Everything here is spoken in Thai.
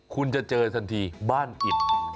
คุณจะเจอทันทีบ้านอิด